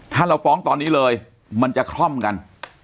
ถ้าเราฟ้องตอนนี้เลยมันจะคล่อมกัน